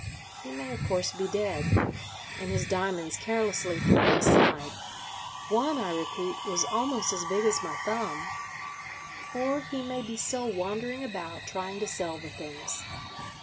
He may of course be dead, and his diamonds carelessly thrown aside—one, I repeat, was almost as big as my thumb. Or he may be still wandering about trying to sell the things.